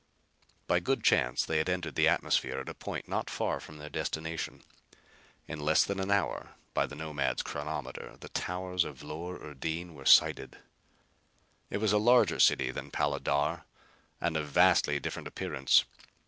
By good chance they had entered the atmosphere at a point not far from their destination. In less than an hour by the Nomad's chronometer the towers of Vlor urdin were sighted. It was a larger city than Pala dar and of vastly different appearance.